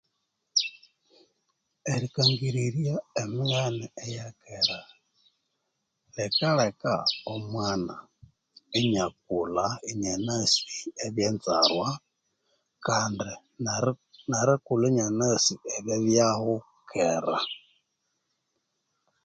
Erikangirirya emighane yakera lhikalheka omwana inakulha inanasi ebye nzarwa ksndi nebyabyaho kera